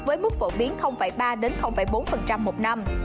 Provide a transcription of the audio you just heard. với mức phổ biến ba đến bốn một năm